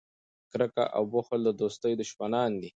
کرکه او بخل د دوستۍ دشمنان دي.